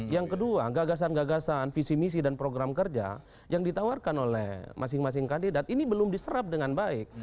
yang kedua gagasan gagasan visi misi dan program kerja yang ditawarkan oleh masing masing kandidat ini belum diserap dengan baik